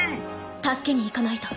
助けに行かないと。